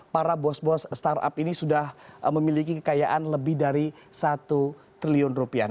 para bos bos startup ini sudah memiliki kekayaan lebih dari satu triliun rupiah